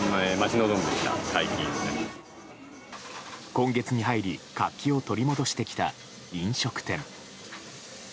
今月に入り活気を取り戻してきた飲食店。